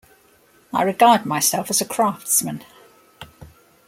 I regard myself as a craftsman.